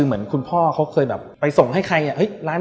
เหมือนคุณพ่อเขาเคยแบบไปส่งให้ใคร